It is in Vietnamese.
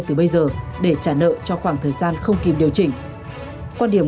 chị nguyễn thúy loan đã chứng kiến